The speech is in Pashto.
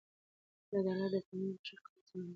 عدالت د ټولنیز فشار کمولو سبب ګرځي.